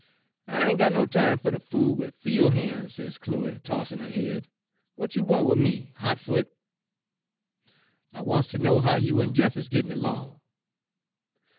" 'I ain' got no time fer ter fool wid Page 214 fiel' han's,' sez Chloe, tossin' her head; 'w'at you want wid me, Hot Foot?' " 'I wants ter know how you en Jeff is gittin' 'long.'